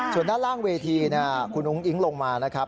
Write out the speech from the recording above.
ส่วนด้านล่างเวทีคุณอุ้งอิ๊งลงมานะครับ